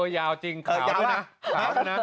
ยาวจริงขอยาวด้วยนะ